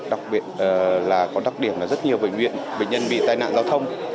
đặc biệt là có đặc điểm là rất nhiều bệnh viện bệnh nhân bị tai nạn giao thông